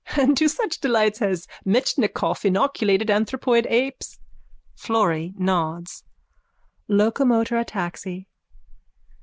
_ And to such delights has Metchnikoff inoculated anthropoid apes. FLORRY: (Nods.) Locomotor ataxy.